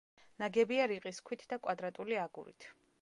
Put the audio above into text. ნაგებია რიყის ქვით და კვადრატული აგურით.